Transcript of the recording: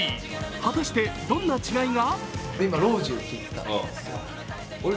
果たして、どんな違いが？